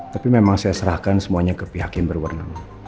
tapi memang saya serahkan semuanya ke pihak yang berwenang